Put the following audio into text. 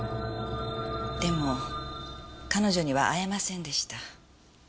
でも彼女には会えませんでした。